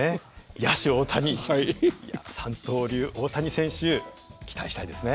野手大谷三刀流大谷選手期待したいですね。